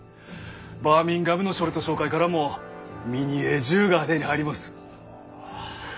バーミンガムのショルト商会からもミニエー銃が手に入りもす。